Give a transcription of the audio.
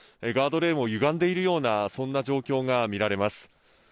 ガードレールもゆがんでいるそんな状況が見られます。